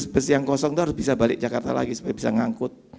bus yang kosong itu harus bisa balik jakarta lagi supaya bisa mengangkut